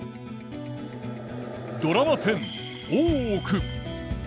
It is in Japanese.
ドラマ１０「大奥」。